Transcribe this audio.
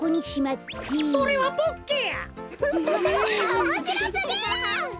おもしろすぎる！